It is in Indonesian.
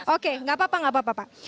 oke enggak apa apa enggak apa apa pak